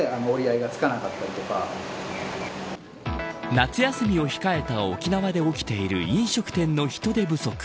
夏休みを控えた沖縄で起きている飲食店の人手不足。